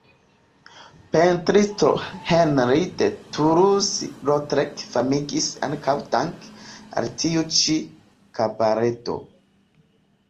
Pentristo Henri de Toulouse-Lautrec famiĝis ankaŭ danke al tiu ĉi kabaredo.